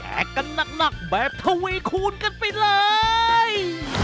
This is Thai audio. แอกกันนักแบบทะเวคูณกันไปเลย